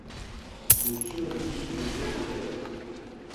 Le tumulus mesure de diamètre.